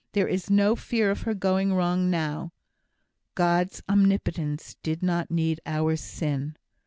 There is no fear of her going wrong now." "God's omnipotence did not need our sin."